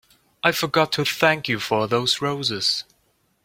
I forgot to thank you for those roses.